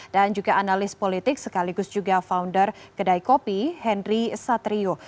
dan juga analis politik sekaligus juga founder kedai kopi henry satrio